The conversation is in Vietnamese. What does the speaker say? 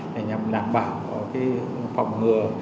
để nhằm đảm bảo phòng ngừa